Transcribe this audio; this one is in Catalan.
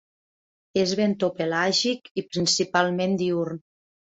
És bentopelàgic i principalment diürn.